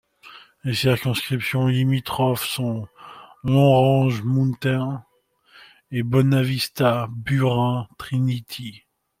Les circonscriptions limitrophes sont Long Range Mountains et Bonavista—Burin—Trinity.